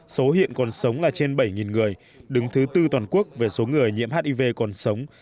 số hiện còn sống là trên bảy người đứng thứ tư toàn quốc về số người nhiễm hiv còn sống